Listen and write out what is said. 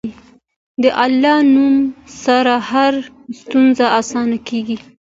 د الله نوم سره هره ستونزه اسانه کېږي.